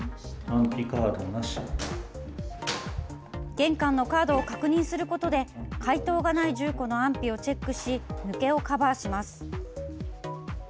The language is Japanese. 玄関のカードを確認することで回答がない住戸の安否をチェックし抜けをカバーします。